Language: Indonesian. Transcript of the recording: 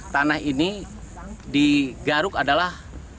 tanah ini digaruk adalah